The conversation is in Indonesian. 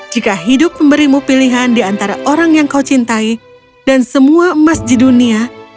jika hidup memberimu pilihan diantara orang yang kau cintai dan semua emas di dunia